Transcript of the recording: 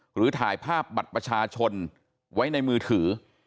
หรือถ่ายภาพบัตรประชาชนไว้ในมือถือ